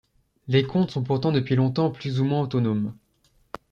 Les comtes sont pourtant depuis longtemps plus ou moins autonomes.